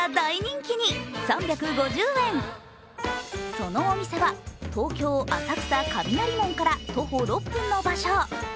そのお店は東京・浅草雷門から徒歩６分の場所。